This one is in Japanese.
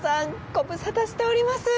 ご無沙汰しております！